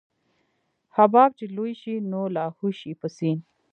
حباب چې لوى شي نو لاهو شي په سيند.